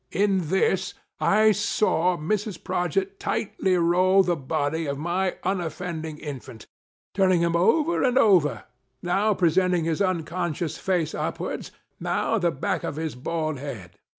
In this, I SAW Mrs. Prodgit tightly roll the body of my unoffending infant, turning him over and over, now presenting his unconscious face upwards, now the back of his bald head